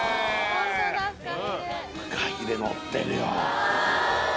フカヒレのってるよ